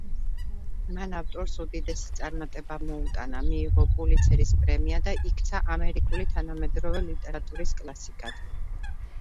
მან ავტორს უდიდესი წარმატება მოუტანა, მიიღო პულიცერის პრემია და იქცა ამერიკული თანამედროვე ლიტერატურის კლასიკად.